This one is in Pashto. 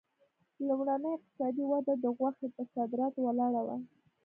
لومړنۍ اقتصادي وده د غوښې پر صادراتو ولاړه وه.